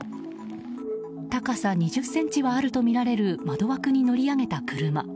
高さ２０ｃｍはあるとみられる窓枠に乗り上げた車。